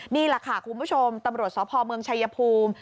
นี่แหละค่ะคุณผู้ชมตำรวจสพเมืองชายภูมิ